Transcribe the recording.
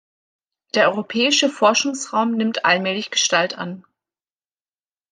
Der Europäische Forschungsraum nimmt allmählich Gestalt an.